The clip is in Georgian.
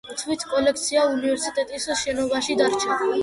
თვით კოლექცია უნივერსიტეტის შენობაში დარჩა.